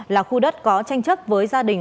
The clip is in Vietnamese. là khu đất có tranh chấp với gia đình